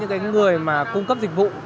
đồng thời những người cung cấp dịch vụ